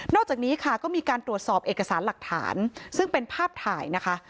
อกจากนี้ค่ะก็มีการตรวจสอบเอกสารหลักฐานซึ่งเป็นภาพถ่ายนะคะ